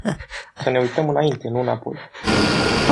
Să ne uităm înainte, nu înapoi.